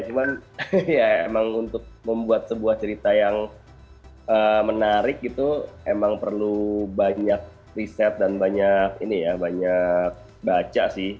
cuma ya memang untuk membuat sebuah cerita yang menarik itu memang perlu banyak riset dan banyak baca sih